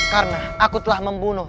karena aku telah membunuh